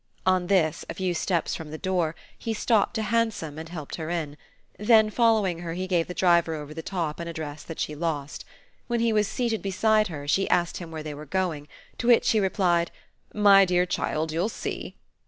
On this, a few steps from the door, he stopped a hansom and helped her in; then following her he gave the driver over the top an address that she lost. When he was seated beside her she asked him where they were going; to which he replied "My dear child, you'll see."